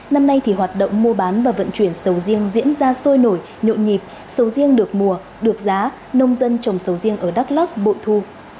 năm nay thì hoạt động mua bán và vận chuyển sầu riêng diễn ra sôi nổi nhộn nhịp sầu riêng được mùa được giá nông dân trồng sầu riêng ở đắk lắc bội thu